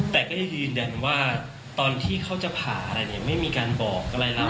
แต่ก็อย่างนั้นว่าตอนที่เขาจะผ่าอะไรไม่มีการบอกอะไร